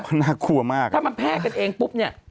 ถ้ามันแพร่กันเองปุ๊บเนี่ย